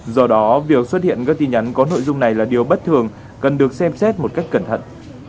do đó việc xuất hiện các tin nhắn có nội dung này là điều bất thường cần được xem xét một cách cẩn thận